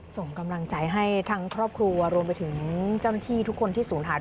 ส่งกำลังใจให้ทั้งครอบครัวรวมไปถึงเจ้าหน้าที่ทุกคนที่ศูนย์หาย